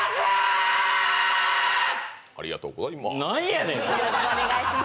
ありがとうございます。